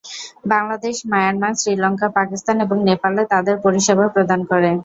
Bangladesh, Myanmar, Sri Lanka, Pakistan এবং নেপালে তাদের পরিষেবা প্রদান করে।